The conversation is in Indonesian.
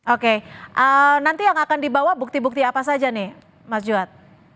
oke nanti yang akan dibawa bukti bukti apa saja nih mas juat